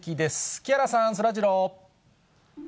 木原さん、そらジロー。